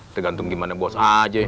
tergantung gimana bos aja